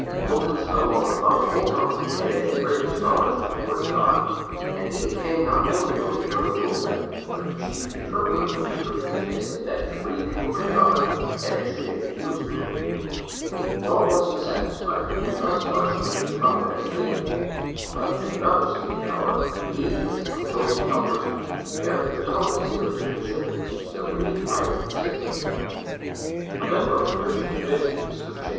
Wilkinson alone among the whole company had any previous knowledge of the word of God, and he became not only the leader of the movement, but the chief interpreter of the Scriptures as they met to read the Book of God and exchange views upon it. Nor was he satisfied to do thus much with his comrades daily, but at another stated hour he, with some chosen helpers, gathered the coloured sailors of the ship to teach them reading, writing, etc. A member of the Christian Commission, Mr. J.